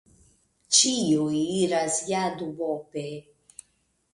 Ĉiuj iras ja duope.